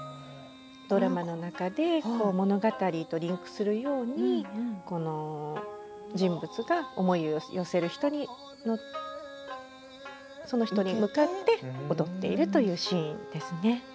ドラマの中で物語とリンクするようにこの人物が思いを寄せる人に向かって踊っているというシーンですね。